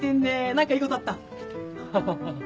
何かいいことあった？ハハハ。